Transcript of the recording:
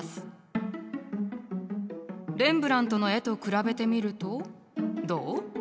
レンブラントの絵と比べてみるとどう？